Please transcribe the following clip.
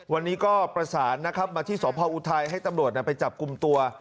วันนี้ก็ประสานนะครับมาที่สพออุทัยให้ตำรวจไปจับกลุ่มตัว